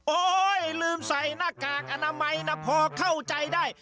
ลืมใส่หน้ากากอนามัยนะพอเข้าใจได้